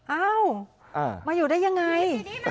เอ้ามาอยู่ได้ยังไง